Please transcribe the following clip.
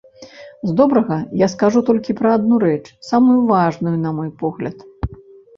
З добрага я скажу толькі пра адну рэч, самую важную, на мой погляд.